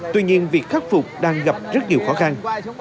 tuy nhiên việc khắc phục đang gặp rất nhiều khó khăn